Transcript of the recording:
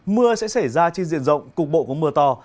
mưa sẽ xảy ra trên diện rộng cục bộ có mưa to